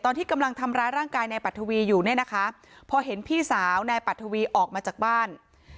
ตอนที่กำลังทำร้ายร่างกายนายปัทวีอยู่เนี่ยนะคะพอเห็นพี่สาวนายปัทวีออกมาจากบ้าน